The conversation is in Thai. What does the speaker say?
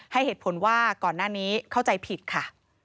ให้เหตุผลว่าก่อนหน้านี้เข้าใจผิดค่ะ